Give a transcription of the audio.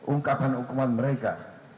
ungkapan hukuman mereka